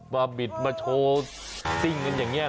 บิดมาโชว์ซิ่งกันอย่างนี้